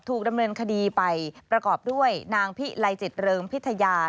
ถูกดำเนินคดีไปประกอบด้วยนางพิไลจิตเริงพิทยา